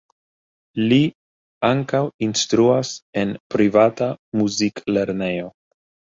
Li ankaŭ instruas en privata muziklernejo.